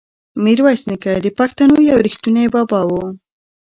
میرویس نیکه د پښتنو یو ریښتونی بابا و.